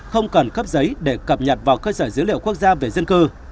không cần cấp giấy để cập nhật vào cơ sở dữ liệu quốc gia về dân cư